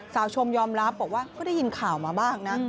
สาวชมยอมรับบอกว่าก็ได้ยินข่าวมาบ้างนะ